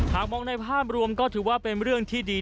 หากมองในภาพรวมก็ถือว่าเป็นเรื่องที่ดี